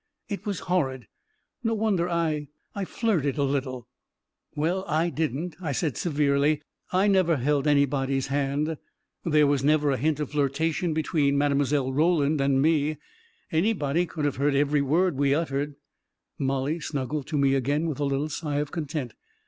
It was horrid! No wonder I — I flirted a little." " Well, / didn't," I said, severely. " I never held anybody's hand. There was never a hint of flirta tion between Mile. Roland and me. Anybody could have heard every word we uttered." Mollie snuggled to me again with a little sigh of content.